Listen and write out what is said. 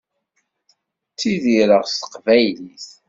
Ttidireɣ s teqbaylit.